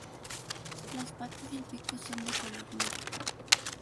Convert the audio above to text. Las patas y el pico son de color negro.